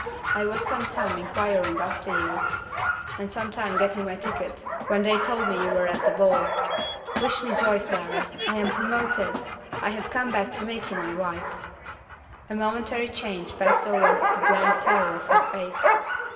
I was some time inquiring after you, and some time getting my ticket when they told me you were at the ball. Wish me joy, Clara! I am promoted. I have come back to make you my wife." A momentary change passed over the blank terror of her face.